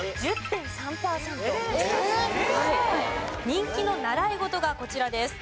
人気の習い事がこちらです。